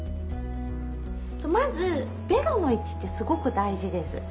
まずベロの位置ってすごく大事です。